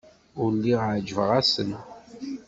Ur lliɣ ɛejbeɣ-asen.